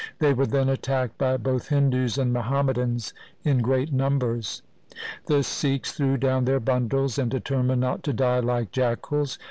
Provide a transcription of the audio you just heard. They were then attacked by both Hindus and Muham madans in great numbers. The Sikhs threw down their bundles and determined not to die like jackals.